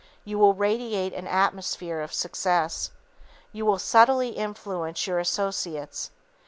You will radiate an "atmosphere" of success. You will subtly influence your associates.